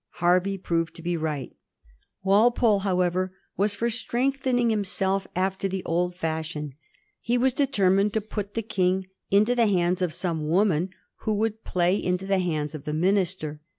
Her vey proved to be right. Walpole, however, was for strengthening himself after the old fashion. He was determined to put the King into the hands of some woman who would play into the hands of the minister.